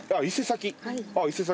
伊勢崎？